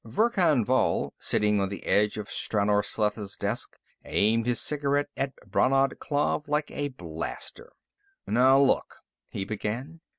Verkan Vall, sitting on the edge of Stranor Sleth's desk, aimed his cigarette at Brannad Klav like a blaster. "Now, look," he began.